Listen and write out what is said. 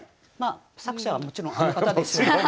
まあ作者はもちろんあの方でしょう。